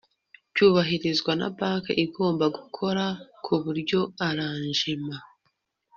byubahirizwa Banki igomba gukora ku buryo arrangements